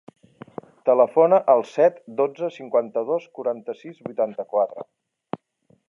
Telefona al set, dotze, cinquanta-dos, quaranta-sis, vuitanta-quatre.